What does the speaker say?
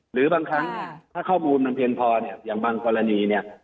หรือบางครั้งถ้าข้อมูลมันเพียงพอเนี่ยอย่างบางกรณีเนี่ย